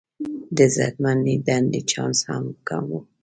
د عزتمندې دندې چانس هم کم و.